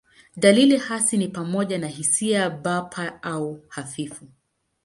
Dalili hasi ni pamoja na hisia bapa au hafifu.